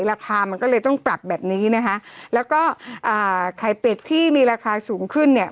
ราคามันก็เลยต้องปรับแบบนี้นะคะแล้วก็อ่าไข่เป็ดที่มีราคาสูงขึ้นเนี่ย